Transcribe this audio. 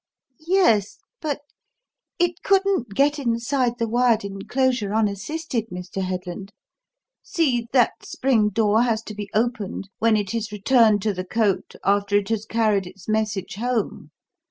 "Yes, but it couldn't get inside the wired enclosure unassisted, Mr. Headland. See! that spring door has to be opened when it is returned to the cote after it has carried its message home.